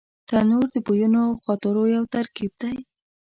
تنور د بویونو او خاطرو یو ترکیب دی